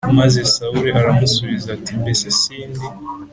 Maze Sawuli aramusubiza ati Mbese sindi